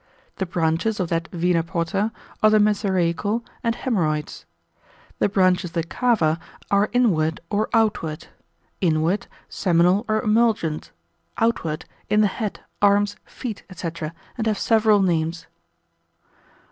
The branches of that Vena porta are the mesaraical and haemorrhoids. The branches of the cava are inward or outward. Inward, seminal or emulgent. Outward, in the head, arms, feet, &c., and have several names.